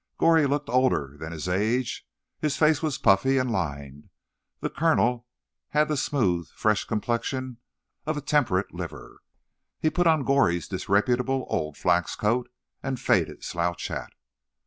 Goree looked older than his age; his face was puffy and lined; the colonel had the smooth, fresh complexion of a temperate liver. He put on Goree's disreputable old flax coat and faded slouch hat.